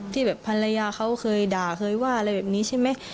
ที่แบบภรรยาเขาเคยด่าเคยว่าอะไรแบบนี้ใช่ไหม